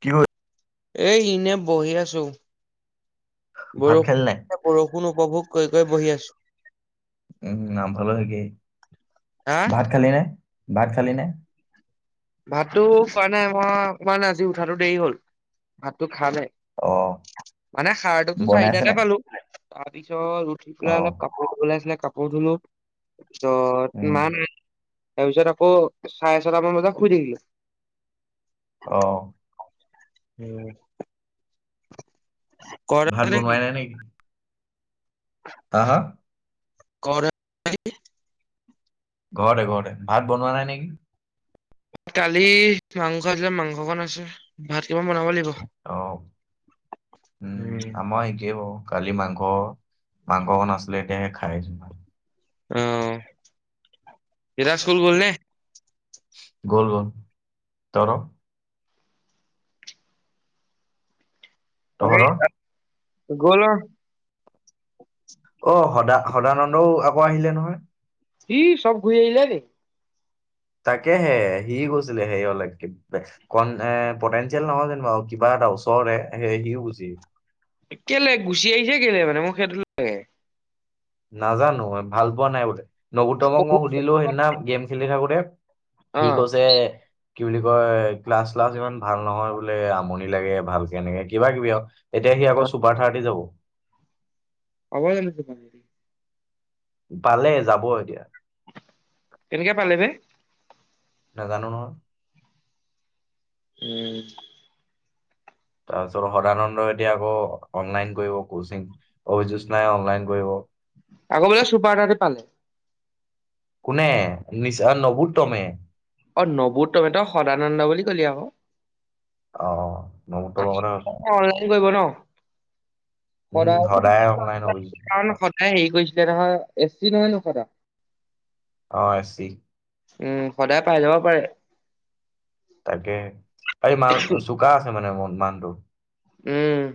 কিিব এ ইনে বহি আছো ভাত খালি বৰষুণ নাই? বৰষুণ উপভোগ কৈ কৈ বহি আছো উম ভালো হয়ে কি হা ভাত খালি নে ভাত খালি নে ভাতটো কাৰোৱা নাই মই অকমানে আজি উঠাতো দেৰি হল ভাতটো খ নে অ মানে সাৰ োতো চাৰিটাালে পালো তাৰপিছত উঠি পেলাই অহ, অলপ কাপোৰ লাইছিলে কাপোৰ ধুলো তাৰপিছত উম, মা তাৰপিছত আকৌ চাৰে ছটামান বজাত খোজিল অ উম ভাত বনোৱাই নাই নেকি তহ ক ঘৰতে ঘৰতে ভাত বনোৱা নাই নেকি দালি মাংস আছিলে, মাংস কন আছে, ভাত কিমান বনাব লাগিব। অ' উম আমাৰ একেই বাৰু কালি মাংস, মাংসকন আছিলে এতিয়াহে খাই আহিছো। অহ বিৰাজ স্কুল গ'ল নে? গ'ল-গ'ল তহঁতৰ। তহঁতৰ? অ গ'ল। অ' সদা-সদানন্দও আকৌ আহিলে নহয়। কি চব ঘূৰি আহিলে নি। তাকে হে সি গৈছিলে হেৰিয়লে যে কিবা পোটেনচিয়েল নহয় জানো বাৰু কিবা এটা ওচৰৰে সে সি বুজি কেলেই ঘুচি আহিছে কেলেই মানে মোকে সেইটো লাগে। নাজানো ভাল পোৱা নাই বোলে, নগুতমক মই সুধিলো সেইদিনা গেম খেলি থাকোতে সি অ', কৈছে কি বুলি কয় ক্লাছ, চ্লাছ ইমান ভাল নহয় বোলে। আমনি লাগে, ভালকে এনেকে কিবা-কিবি আৰু এতিয়া সি আকৌ ছুপাৰ থাৰ্টি যাব। পাব জানো। [unintelligible] পালে যাব কেনেকে পালে বে নাজানো নহয়। উম'। তাৰপিছত সদানন্দ এতিয়া আকৌ অনলাইন কৰিব কচিং, অআকৌ জোৎস্না নাই অনলাইন কৰিব। আকৌ বোলে সুপাৰটাৰতে পালে। কোনে নিছে নবুত্তমে। অ' নবুত্তমে তই সদানন্দ বুলি কলি আকৌ অ'। নবোত্তমৰ কথা কৈছো অনলাইন কৰিব ন। উম সদায় সদায়ো অনলাইন কাৰণ অভিযোগ সদায় হেৰি কৰিছে। এ চি নহয় নহয় জানো সদা অ' এছি। উম সদাই পাই যাব পাৰে। তাকে এই মালটো চোকা আছে মানে মানুহজন। উম'।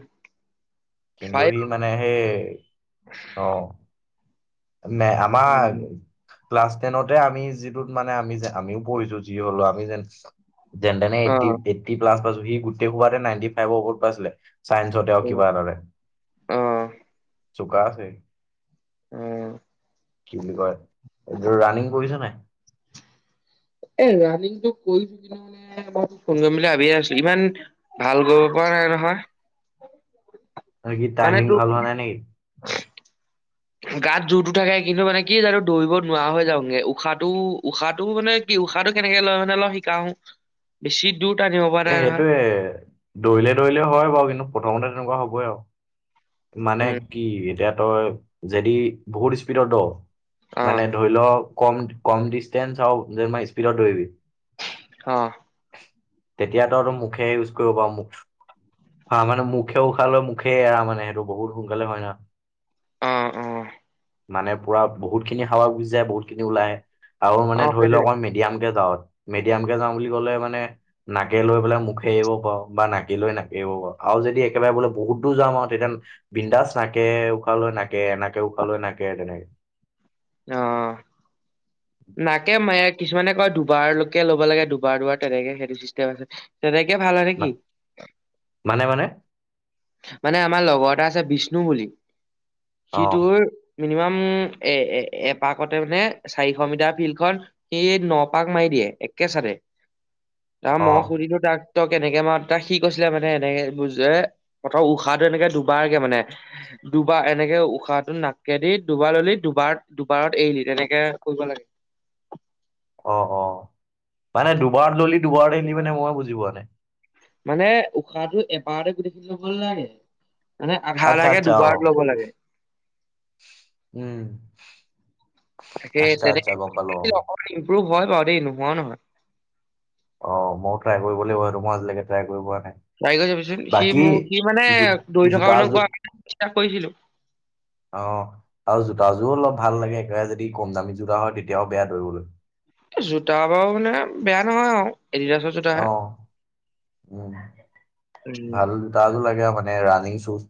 কিন্তু পাৰিব সি মানে সেই অ'। নে আমাৰ উম, ক্লাছ টেনতে আমি যিটোত মানে আমি যে, আমিও পঢ়িছো যি হলো আমি যেন যেন তেনে অ', এইট এইটি প্লাছ পাইছো, সি গোটেই সোপাটে নাইনটি ফাইভৰ ওপৰত পাইছিলে। চাইন্সতেও অ', কিবা এটাতে, অ', চোকা আছে। অ', কি বুলি কয়, ৰানিং কৰিছ নাই। ৰানিং টো মানে কৰিম বুলি ভাবি আছো, ইমান ভাল কৰিব পৰা নাই নহয়, আৰু কি মানে টাইমিং ভাল হোৱা তোৰ নাই নেকি গাত জোৰতটো থাকে কিন্তু মানে কি জানো দৌৰিব নোৱাৰা হৈ যাওগে, উশাহটো- উশাহটো মানে উশাহটো কেনেকে লয় মানে অলপ শিকাও বেছি দূৰ টানিব পৰা নাই নহয় সেইটোয়ে দৌৰিলে, দৌৰিলে হয় বাৰু কিন্তু প্ৰথমতে তেনেকুৱা হ'বই আৰু মানে উম কি এতিয়া তই যদি বহুত স্পীডত দৌৰ অ মানে ধৰি ল' কম, কম ডিটচেন্স হওঁক, তেতিয়া স্পিডত দৌৰিবি। অ'। তেতিয়াতো তই মুখে ইউজ কৰিব পাৰো মুখ হা মানে মুখে উশাহ লৈ মুখেই এৰা মানে, সেইটো বহুত সোনকালে হয় ন। অ', -অ'। মানে পুৰা বহুত খিনি হাৱা গুজি যায়, বহুত খিনি ওলাই আহে আৰু অ মানে ধৰি লও সেইটোৱে অকণ মিডিয়াম কে যাও। মেডিয়ামকে যাওঁ বুলি ক'লে মানে নাকে লৈ বোলে মুখে এৰিব পাৰো বা নাকে লৈ নাকেৰেও পাৰোঁ আৰু যদি একেবাৰে বোলে বহুত দূৰ যাওঁ আৰু তেতিয়া। বিন্দাস নাকে উশালৈ নাকে এনেকে উশাহালৈ নাকে তেনেকে। অহ। নাকে মায়ে কিছুমানে কয় দুবাৰকে ল'ব লাগে দুবাৰ দুবাৰ তেনেকে সেইটো চিষ্টেম আছে তেনেকে। তেতিয়া ভাল হয় নেকি। মা- মানে মানে মানে আমাৰ লগৰ এটা আছে বিষ্ণু বুলি সি অ তোৰ। মিনিমাম এ এপাকতে মানে চাৰি। মিতাৰ ফিল্ড খন সি নপাক মাৰি দিয়ে একে চাৰে। তাক অ মই সুধিলোঁ তাক। তই কেনেকে মাৰ তাক সি কৈছিলে মানে এনেকে বুজ ত প্ৰথম উশাহটো এনেকে দুবাৰকে মানে। দুবাৰ এনেকে উশাহটো নাকে দি দুবাৰ ললি দুবাৰ দুবাৰত এৰিল তেনেকে। কৰিব লাগে। অ অ মানে দুবাৰ ললি দুবাৰতে এৰিলি মানে মই বুজি পোৱা নাই। মানে উশাহটো এবাৰতে গোটেইখিনি লব নালাগে। মানে আধা আচ্ছা আধা কে আচ্ছা অ দুবাৰত ল'ব লাগে। উম [inaudible] তাকে আচ্ছা আচ্ছা তেনেকে। গম পালো [unintelligible] [unintelligible] হয় বাৰু দেই নোহোৱাও নহয়। অ মইও ট্ৰাই কৰিব লাগিব ইটো মইও আজিলৈকে ট্ৰাই কৰি পোৱা। নাই চাই গৈ যাবিচোন সি বাকী মোক সি মানে জো দৌৰি থকা মানুহ জোতাযোৰ কোৱা [unintelligible] কৰিছিলোঁ। অ আৰু জোতা। যোৰ অলপ ভাল লাগে একেবাৰে যদি কম দামি যোৰা হয় তেতিয়াও বেয়া দৌৰিবলৈ। জোতা বাৰু মানে বেয়া নহয় আৰু। এডিডাছৰ জোতাহে অ উম উম ভাল জোতা এযোৰ লাগে আৰু মানে। মানে running shoes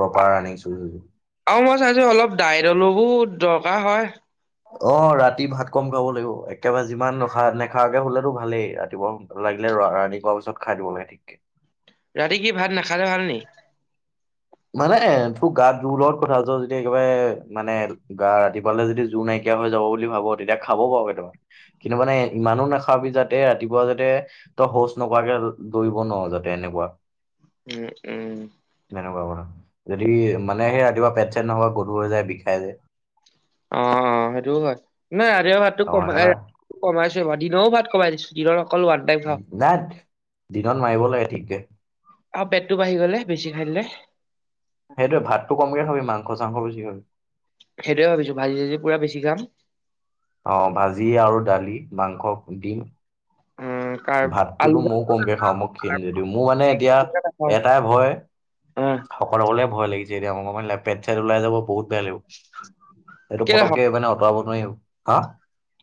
proper running shoes. আৰু মই চাইছোঁ অলপ দাই দলবোৰ দৰকাৰ হয়। অ ৰাতি ভাত কম খাব লাগিব একেবাৰে যিমান নখা নোখোৱাকে শুলেটো ভালেই ৰাতিপুৱা লাগিলে। ৰা ৰানিং কোৰাৰ পিছত খাই দিব লাগে ঠিকচে। ৰাতি কি ভাত নাখালে ভাল নি। মানে তোৰ গাত জোৰ লগত কথা আছ যদি একেবাৰে মানে গা ৰাতিপুৱালে যদি জোৰ নাইকিয়া। নাইকিয়া হৈ যাব বুলি ভাব তেতিয়া খাব পাৰ [unintelligible] কিন্তু মানে ইমানো নাখাবি যাতে ৰাতিপুৱা যাতে। তই শৌচ নকাৰাকে দৌৰিব নোৱাৰো যাতে এনেকুৱা। উম উম। সেনেকুৱা কৰা যদি মানে সেই ৰাতিপুৱা পেট চেট [unintelligible] গধুৱ হৈ যায় বিষাই যায়। অ অ সেইটো হয় নাই ৰাতিৰ ভাতটো অ কমাই সেইকাৰণে কমাইছো বাৰু দিনৰ ও ভাত কমাই দিছোঁ। নাই দিনত মাৰিব লাগে ঠিককে। অ পেটটো বাঢ়ি গ'লে বেছি খাই দিলে। সেইটোৱে ভাতটো কমকে খাবি মাংস চাংস বছি খাবি। সেইটোৱে ভাবিছোঁ ভাজি চাজি পুৰা বেছি খাম। অ ভাজি আৰু দালি মাংস দিম। উম, কাৰ আলু ভাততো চালু মইও কমকে খাওঁ মই ক্ষণ যদিও মোৰ মানে এতিয়া নাখাওঁ এটাই ভয়। অ'। শোকত হবলে ভয় লাগিছে এতিয়া পেট-চেট ওলাই যাব বহুত বেয়া লাগিব। এইটো কেলে পতককে মানে অঁতৰাব নোৱাৰি আৰু।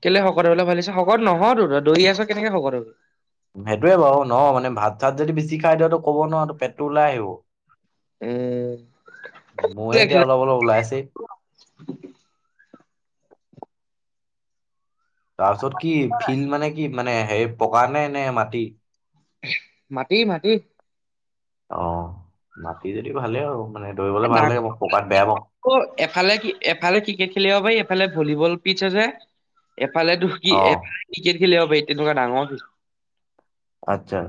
কেলে শকত হবলৈ ভাবিছোঁ শকত নহওতো দৌৰি আছোঁ কেনেকে শকত হবি। সেইটোয়ে বাৰু, ন' মানে ভাত-চাত যদি বেছি খাই দিয়তো, ক'ব নোৱাৰ পেটটো ওলাই আহিব। উম''। মইয়ে এতিয়া অলপ-অলপ ওলাইছে। তাৰপিছত কি ফিল্ড মানে কি? মানে সে পকাৰ নে এনে মাটি। মাটি-মাটি।। অ'' মাটি যদি ভালে আৰু। মানে দৌৰিবলে ভাল লাগে মই পকাত বেয়া পাওঁ এফালে-এফালে ক্ৰিকেট খেলি। এফালে ভলীবল, পিচ আছে অ এফালে-কিফালে ক্ৰিকেট খেলিব পাৰি। তে তোক ডাঙ কিছ- আত্ছা।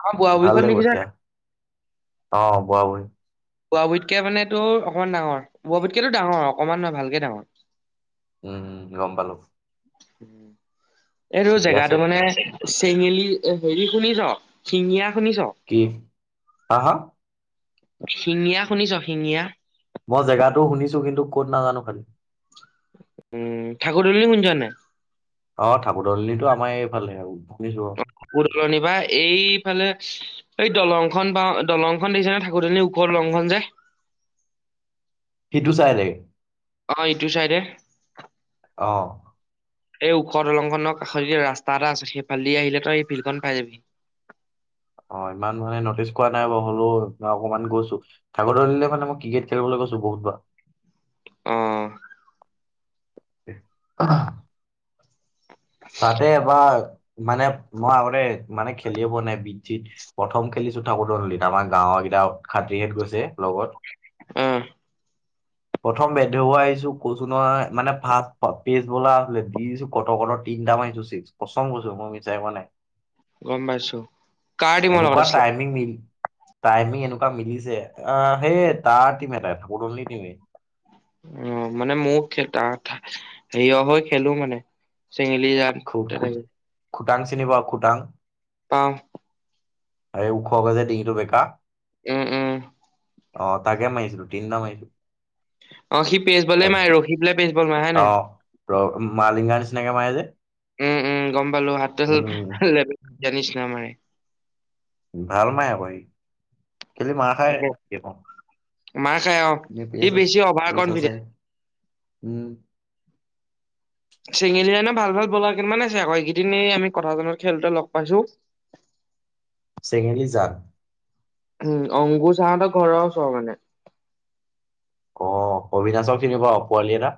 আমাৰ বোৱা ব়ীখন নেকিছ? অ' বোৱা বহি। বোৱা-বুতকে মান তো অকণমান ডাঙৰ। বোৱা- পুতকটো ডাঙৰ। অকণমান নহয়, ভালকে ডাঙৰ উম' গম পালো। এইটো ঠিকে আছে জেগাতটো মানে, তেতিয়া চেঙেলি- এ হেৰি শুনি য? শিঙিয়ীয়া- কি ক-হা? শিঙিয়ীয়া শুনিছ, শিঙিয়ীয়া। মই জেগাটো শুনিছো, কিন্তু কত নাজানো খালি। উম'' ঠাকুৰ বুলিল ক যোৱা নাই? অ' থাবো দললিো আমাৰ এইফালে আৰু। অ' পুৰণ বা এইফালে- এই দলংখন বা দলংখন দেছে ন? থাকোতেনে ওপৰৰ দলংখন যে- সেইটো চাই লাগে। অ' ইটো চাইডে। অ'' এই ওখ দলংখনৰ কাষতে ৰাস্ত এটা আছে, সেইফালদি আহিলে তই এই ভিলখন পাই যাবি। [unintelligible] অ' ইমান মানে নটিচ কৰা নাই বাৰ, হলেও ম অকমান গৈছো াকৰলিলে মানে, মই ক্ৰিকেট খেলিবলৈ- ছো বুত বা। আহ'' অ'' ততেবাৰ মানে, মই আগৰে মানে খেলিবিব নাই বিজিত প্ৰথম খেলি- কিছু থাকোতেো নলী ত আমাৰ গাঁৱৰ কেইটা খাতীহত গৈছে লগত। অ [unintelligible] প্ৰথম বেধব আহিছো কচুনৰ মানে, ফাৰ্ষ পেজ বলা আ দি দিছো কট-কট- তিনিটা মাইছো চিক পচন্দ কৰিৈছো, মই আমি চাই পোৱা নাই। গম পাইছো কাৰ টিমৰ লগত এনেকুৱা আছিলে? টাইমিং মিল টাইমিং এনেকুৱা মিলিছে আহ' সেই তাৰ টিম এটাই থলি টিম অ' মানে মোৰ ত হেয় হৈ খেলো মানে। চেঙেলি যাম তেনেকে। খুটং চিনিিবা খুটং? পওঁ। অ' উখ হতেে দিঙটো বা। উম' উম'। অ তাকে মাৰিছিলো, তিনিটা মাৰিছিলো। অ' সি পেচ বলে মাৰে ৰখি পেলাই পেচ বল মাৰে হয় নাই? অ' মালিগান ্নেকম যে। উম, উম গম পালো হাতাল উম ল জানিছ ন মমাৰে। ভাল মায় আকি খেলি মাৰ খাই তাকে মাৰ খাই অ'। সি বেছি অভাৰ পছ আছে কনফিডেন্ট উম চেঙেলিয় ন ভাল ভাল বলাৰ কেইমান আছে, আকৌ এইকেইদনে আমি কথা জনত খেলতে লগ পাইছো [inaudible] চেঙেলি যাক উম অংগুৰ চাহতৰ ঘৰৰও চৰ মানে অ অবিনাশক চিনিব পোৱালি এটা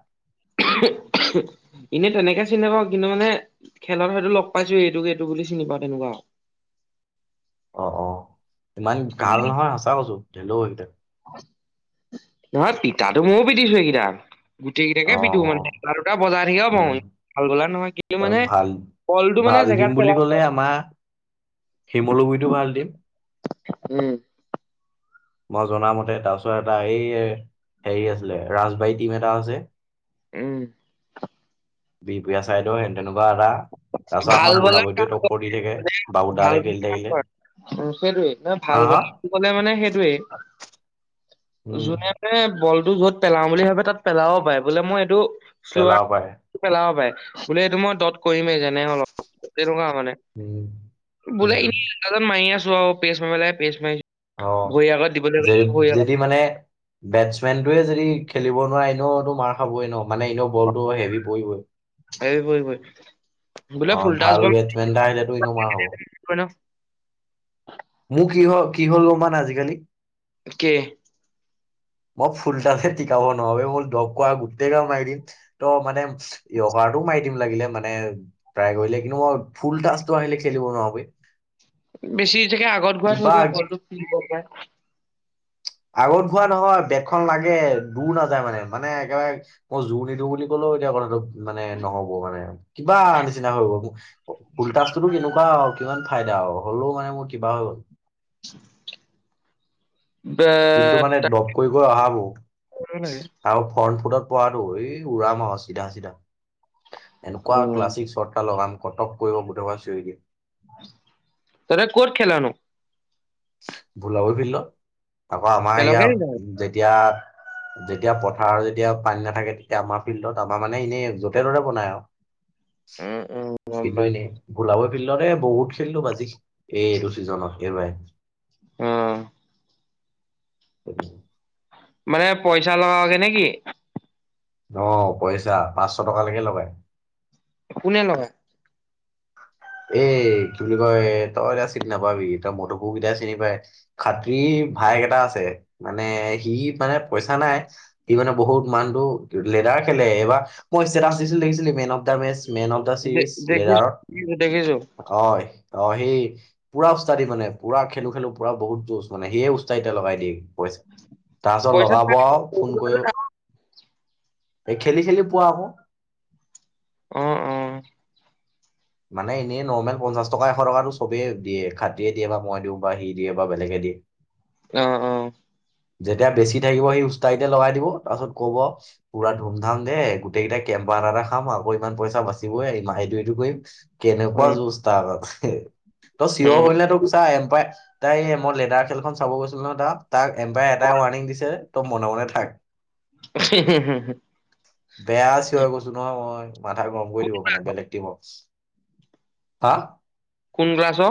এনে তেনেকে চিনি নাপাও কিন্তু মানে খেলত হয়তো লগ পাইছো এইটোক এইটো বুলি চিনি পাওঁ তেনেকুৱা অ অ ইমান ভাল আৰু। নহয় সঁচা কৈছো [unintelligible] নহয় পিটাটো ময়ো পিটিছো এইেকেইটাক গোটেই কেইটাকে অ পিটু অ মানে এটা দুটা বজায় থাকিব প উম ভাল বলা নহয় কিন্তু তাৰ মানে ভাল বলটো মানে জেগাত পেলাব শিমলু গুইটো ভাল দিয়ে উম। মই জনামতে তাৰপিছত এটা এই হেৰি আছিলে, ৰাজবাৰী টিম এটা আছে। উম। বিপিয়া চাইদৰ তেনেকুৱা এটা [unintelligible] তাৰপিছত আমাৰ বোলাবৰিটোৱে টক্কৰ দি থাকে বাবুদাহঁতে খেলি থাকিলে সেইটোৱে নহয় ভাল হা হা বলাৰ বুলি কলে মানে সেইটোৱে। উম জোনে তোনে বল টো য'ত পেলাও বুলি ভাবে তাত পেলাবও পাৰে বোলে মই এইটো শ্ল পেলাব পাৰে পেলাবও পাৰে বোলে এইটো মই দদ কৰিমেই ল তেনেকুৱা মানে, উম বোলে উম এনে সি আনদাজত মাৰি আছে [unintelligible] পেচ মাৰিব লাগে পেচ মাইছে অঁ যদি মানে বেটচমেন্টটোৱে যদি খেলিব এনেওতো মাৰ খাবই ন মানে এনে বলটো হেভি পৰিবই ভৰি ভৰি বোলে অহ ফুলটাচ ভাল বল বেটছমেনটা আহিলেতো ইনেও মাৰ খাব ন মোৰ কি হয় কি হ'ল গম পাও নাই আজিকালি কে মই ফুলতালতে টিকাব নোৱাৰি বে মোৰ দ কোৱা গোটেই গাল মাৰি দিম ত মানে ই মাৰি দিম লাগিলে মানে প্ৰায় কৰিলে কিন্তু মই ফুল টাচটো আহিলে খেলিব নোৱাৰো বে বেছি চাগে আগত ঘূৰাই থৈ কিবা দিয় বলটো ফ পায় আগত ঘূৱা নহয় বেদখন লাগে দূৰ নাযায় মানে, মানে একেবাৰে মই জোৰ নিদিওঁ বুলি ক'লেও ত এতিয়া কথাটো মানে নহ'ব মানে কিবা নিচিনা হৈ গ'ল ফুলতাচটোতো কেনেকুৱা কিমান ফাইদা আও হ'লেও মানে মোৰ কিবা হৈ গ'ল [inaudible] কিন্তু মানে তাক দপ কৰি গৈ অহা কৰিব বহুত লাগে আৰু ফ্ৰন ফুটত পৰাটো উৰাম আৰু চিধা চিধা, এনেকুৱা উম ক্লাছিক চৰ্ত এটা লগাম কটক কৰিব গোটেইখোপাই চিঞৰি দিব তই এতিয়া ক'ত খেল নো বোলাব ফিল্ডত, তাপা আমাৰ ইয়া খেলগে নহয় যেতিয়া যেতিয়া পথাৰ যেতিয়া পানী নাথাকে তেতিয়া আমাৰ ফিল্ডত আমাৰ মানে এনেই য'তে ত'তে বনাই আও উম উম গম কিন্তু পাইছো এনেই, ভোলাব ফিল্ডৰে বহুত খেলিলো বাজি এইটো ছিজনত সবাবে অ উ মানে পইচা লগাওকে নেকি? অঁ, পইচা পাঁচশ টকালৈকে লগাই কোনে লগায়? এ কি বুলি কয় তই এতিয়া চিনি নাপাবি তই মদকো কেইতিয়া চিনি পায় খাতী ভায়েক এটা আছে মানে সি মানে পইচা নাই সি মানে বহুত মানুহটো লেডাৰ খেলে এইবাৰ মই ষ্টেতাচ দিছিলো দেখিছিলি, man of the match man of the De series leader. দেখিছো দেখিছো হয়। অ, সেই পুৰা উস্তাদি মানে পুৰা খেলো খেলো পুৰা বহুত যোজ মানে সেয়ে উস্তা এয়া লগাই দিয়ে। তাৰপিছত পইচা লগাব পাই আৰু ফোন কৰি এ খেলিছিলো পোৱা আহো। অ, উম। মানে এনেই নৰ্মেল পঞ্চাশ টকা এশ টকাটো চবেই দিয়ে খাতিয়ে দিয়ে বা মই দিওঁ বা সি দিয়ে বা বেলেগে। [unintelligible] অ, অ'। যেতিয়া বেছি থাকিব সেই উচ্তাৰতে লগাই দিব তাৰপাছত কব পুৰা ধুম ধাম দে গোটেইকেইটা কেম্পা এটা এটা খাম আৰু ইমান পইচা বাচিবই আৰু এইটো এইটো কৰিম। কেনেকুৱা উম যুজ তাৰ আগত তই চিঞৰ হম, হম। হ'লে তোৰ চা এম্পাই তাই মই লেডাৰ খেলখন চাব গৈছিলো ন তাত তাক এম্পায়াৰ এটাই ৱাৰণিং দিছে তই মনে মনে থাক। বেয়া আ চি হৈ কৈছো নহয় মই মাথা গৰম কৰি দিব মানে বেলেগ টিমক, হা! কোন ক্লাছ অ